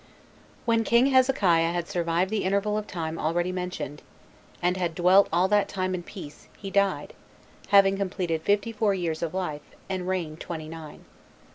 1. When king Hezekiah had survived the interval of time already mentioned, and had dwelt all that time in peace, he died, having completed fifty four years of his life, and reigned twenty nine.